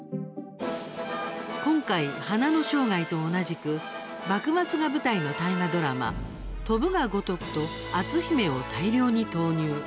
今回、「花の生涯」と同じく幕末が舞台の大河ドラマ「翔ぶが如く」と「篤姫」を大量に投入。